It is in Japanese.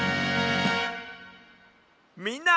みんな！